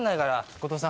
後藤さん。